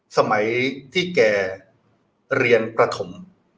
สมัยที่แกเรียนประถม